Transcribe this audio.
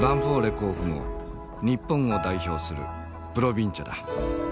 甲府も日本を代表するプロヴィンチャだ。